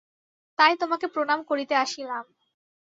তাই তোমাকে প্রণাম করিতে আসিলাম।